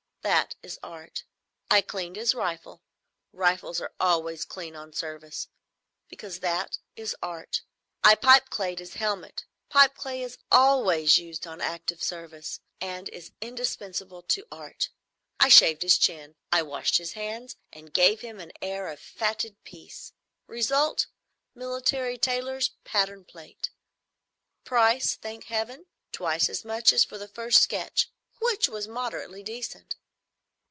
That is Art. I cleaned his rifle,—rifles are always clean on service,—because that is Art. I pipeclayed his helmet,—pipeclay is always used on active service, and is indispensable to Art. I shaved his chin, I washed his hands, and gave him an air of fatted peace. Result, military tailor's pattern plate. Price, thank Heaven, twice as much as for the first sketch, which was moderately decent."